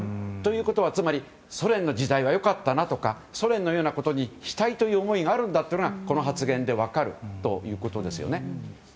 ということはつまりソ連の時代は良かったなとかソ連のようなことにしたいという思いがあるんだということがこの発言から分かりますよね。